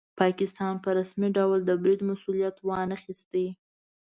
پاکستان په رسمي ډول د برید مسوولیت وانه خیست.